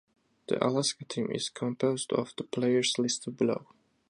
The Alaska team is composed of the players listed below.